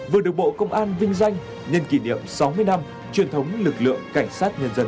vừa được bộ công an vinh danh nhân kỷ niệm sáu mươi năm truyền thống lực lượng cảnh sát nhân dân